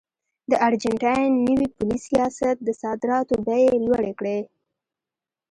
د ارجنټاین نوي پولي سیاست د صادراتو بیې لوړې کړې.